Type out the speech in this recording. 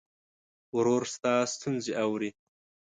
ورور ستا ستونزې اوري.